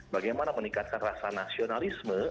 bagaimana meningkatkan rasa nasional